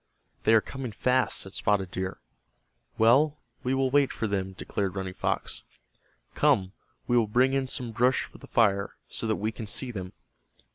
"They are coming fast," said Spotted Deer. "Well, we will wait for them," declared Running Fox. "Come, we will bring in some brush for the fire, so that we can see them."